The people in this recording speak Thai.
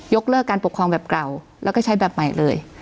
เลิกการปกครองแบบเก่าแล้วก็ใช้แบบใหม่เลย